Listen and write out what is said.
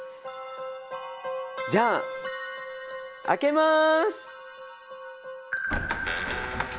じゃあ開けます！